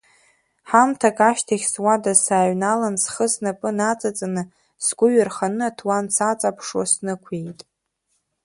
Ҳамҭак ашьҭахь суада сааҩналан, схы снапқәа наҵаҵаны, сгәы ҩарханы аҭуан саҵаԥшуа снықәиеит.